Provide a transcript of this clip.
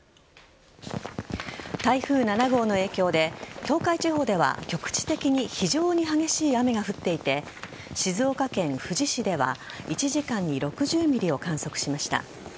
台風７号の影響で東海地方では局地的に非常に激しい雨が降っていて静岡県富士市では１時間に６０ｍｍを観測しました。